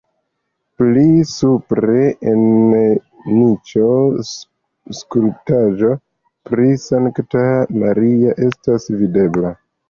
Pli supre en niĉo skulptaĵo pri Sankta Maria estas videbla.